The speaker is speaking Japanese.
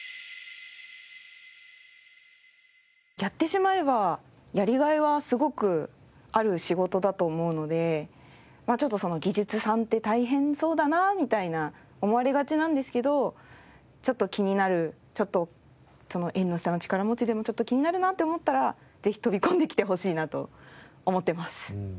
やってしまえばやりがいはすごくある仕事だと思うのでちょっと技術さんって大変そうだなみたいな思われがちなんですけどちょっと気になる縁の下の力持ちでもちょっと気になるなって思ったらぜひ飛び込んできてほしいなと思ってます。